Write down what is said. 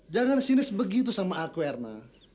jangan sinis begitu sama aku erna